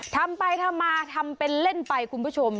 ทำไปทำมาทำเป็นเล่นไปคุณผู้ชม